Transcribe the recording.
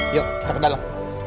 yuk kita ke dalam